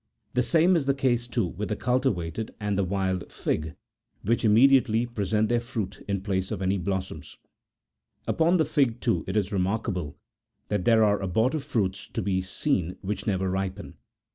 The same is the case, too, with the cultivated and the wild fig,78 which immediately present their fruit in place of any blossom. Upon the fig, too, it is remarkable that there are abortive fruit to be seen which never ripen.